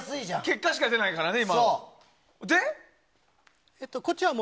結果しか出ないからね、今。